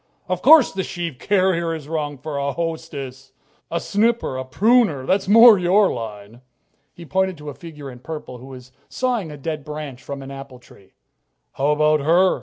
Of course the sheave carrier is wrong for a hostess! A snipper, a pruner that's more your line." He pointed to a figure in purple who was sawing a dead branch from an apple tree. "How about her?"